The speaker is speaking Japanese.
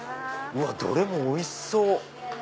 どれもおいしそう！